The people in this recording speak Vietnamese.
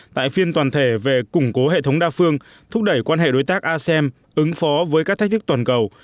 tại phiên toàn thể về củng cố hệ thống đa phương thúc đẩy quan hệ đối tác asem ứng phó với các thách thức toàn cầu